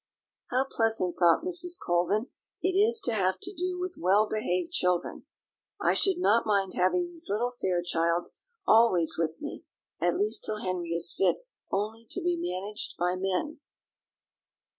"How pleasant," thought Mrs. Colvin, "it is to have to do with well behaved children! I should not mind having these little Fairchilds always with me, at least till Henry is fit only to be managed by men."